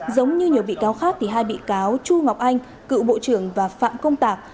giống như nhiều bị cáo khác thì hai bị cáo chu ngọc anh cựu bộ trưởng và phạm công tạc